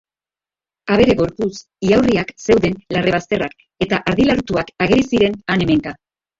Abere gorpuz ihaurriak zeuden larre-bazterrak, eta ardi larrutuak ageri ziren han-hemenka.